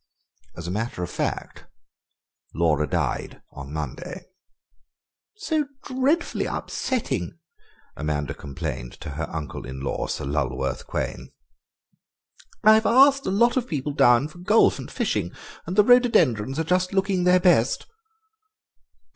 As a matter of fact Laura died on Monday. "So dreadfully upsetting," Amanda complained to her uncle in law, Sir Lulworth Quayne. "I've asked quite a lot of people down for golf and fishing, and the rhododendrons are just looking their best."